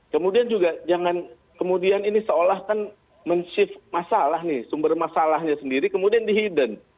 kemudian juga jangan kemudian ini seolah kan men shift masalah nih sumber masalahnya sendiri kemudian dihidden